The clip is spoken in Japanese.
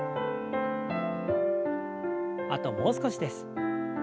あともう少しです。